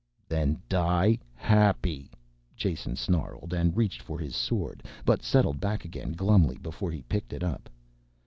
"Then die happy!" Jason snarled and reached for his sword, but settled back again glumly before he picked it up.